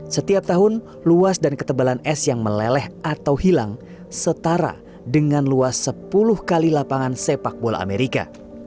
setiap tahun luas dan ketebalan es yang meleleh atau hilang setara dengan luas sepuluh kali lapangan sepak bola amerika